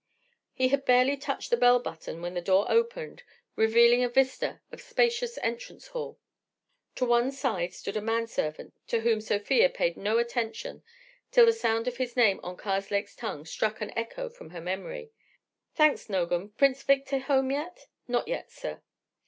He had barely touched the bell button when this door opened, revealing a vista of spacious entrance hall. To one side stood a manservant to whom Sofia paid no attention till the sound of his name on Karslake's tongue struck an echo from her memory. "Thanks, Nogam. Prince Victor home yet?" "Not yet, sir."